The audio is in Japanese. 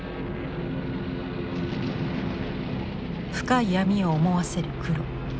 深い闇を思わせる黒。